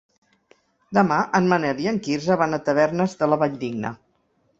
Demà en Manel i en Quirze van a Tavernes de la Valldigna.